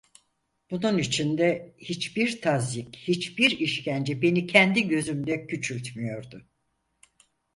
Bunun için de, hiçbir tazyik, hiçbir işkence beni kendi gözümde küçültmüyordu.